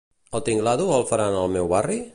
"El Tingladu" el faran al meu barri?